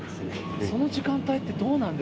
その時間帯ってどうなんです